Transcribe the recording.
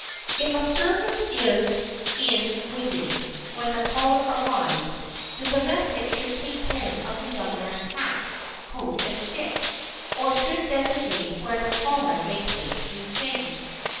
If a servant is in waiting when the caller arrives, this domestic should take care of the young man's hat, coat and stick, or should designate where the caller may place these things.